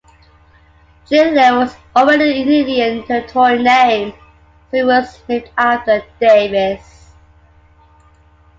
Chigley was already an Indian Territory name, so it was named after Davis.